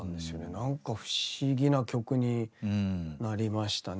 なんか不思議な曲になりましたね。